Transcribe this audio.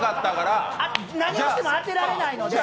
何をしても当てられないので。